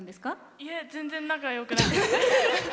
いえ、全然仲よくなくて。